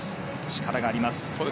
力があります。